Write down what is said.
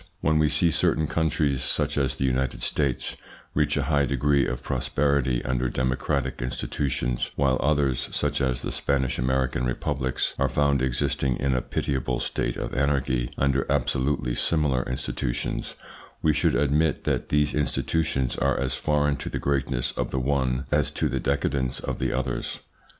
When we see certain countries, such as the United States, reach a high degree of prosperity under democratic institutions, while others, such as the Spanish American Republics, are found existing in a pitiable state of anarchy under absolutely similar institutions, we should admit that these institutions are as foreign to the greatness of the one as to the decadence of the others.